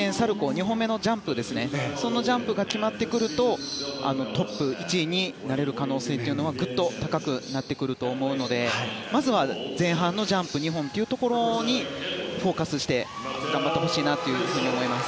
２本目のジャンプが決まってくるとトップ、１位になれる可能性はグッと高くなってくると思うのでまずは前半のジャンプ２本をフォーカスして頑張ってほしいなと思います。